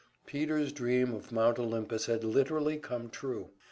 Peter's dream of Mount Olympus had come literally true!